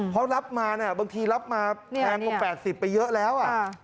เพราะรับมาบางทีแพงกว่า๘๐ไปเยอะแล้ว